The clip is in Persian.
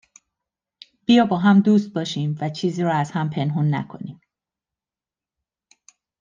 بیا باهم دوست باشیم و چیزی رو از هم پنهون نکنیم